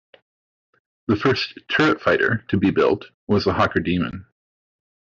The first "turret" fighter to be built was the Hawker Demon.